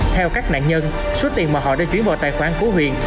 theo các nạn nhân số tiền mà họ đã chuyển vào tài khoản của huyền